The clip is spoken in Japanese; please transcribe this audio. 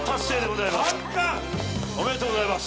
おめでとうございます。